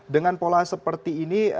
dengan pola seperti ini